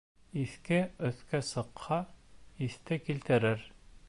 Иҫке өҫкә сыҡһа, иҫте килтерер.